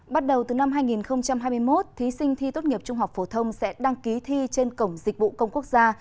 bắt đầu từ năm hai nghìn hai mươi một thí sinh thi tốt nghiệp trung học phổ thông sẽ đăng ký thi trên cổng dịch vụ công quốc gia